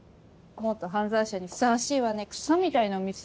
元犯罪者にふさわしいわねくそみたいなお店。